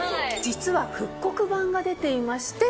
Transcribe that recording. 実は復刻版が出ていまして。